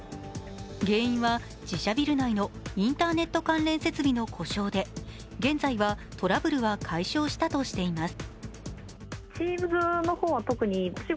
原因は自社ビル内のインターネット関連設備の故障で現在はトラブルは解消したとしています。